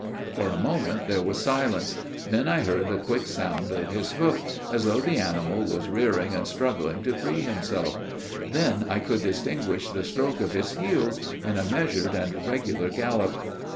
For a moment there was silence. Then I heard the quick sounds of his hoof, as though the animal was rearing and struggling to free himself; then I could distinguish the stroke of his heels, in a measured and regular gallop.